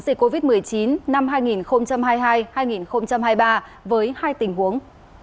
dịch covid một mươi chín năm hai nghìn hai mươi hai hai nghìn hai mươi ba với hai tình huống